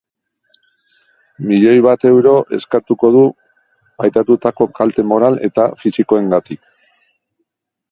Milioi bat euro eskatuko du pairatutako kalte moral eta fisikoengatik.